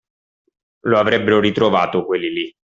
lo avrebbero ritrovato, quelli lì.